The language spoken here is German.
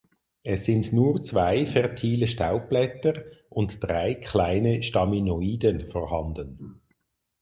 Es sind nur zwei fertile Staubblätter und drei kleine Staminodien vorhanden.